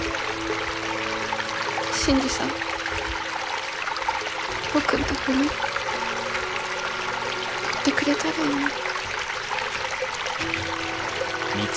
新次さん亮君と船乗ってくれたらいいのに。